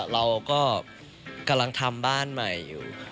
เราก็กำลังทำบ้านใหม่อยู่